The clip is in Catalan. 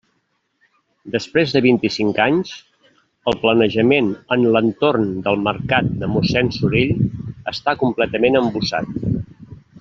Després de vint-i-cinc anys, el planejament en l'entorn del Mercat de Mossén Sorell està completament embossat.